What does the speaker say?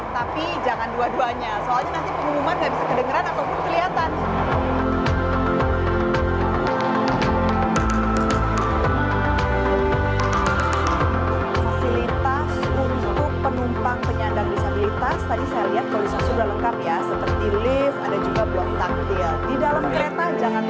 tapi jangan dua duanya soalnya nanti pengumuman nggak bisa kedengeran ataupun kelihatan